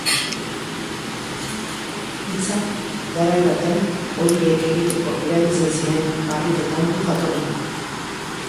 Hitzak garai batean horiek egiteko erabiltzen ziren barriketan du jatorri.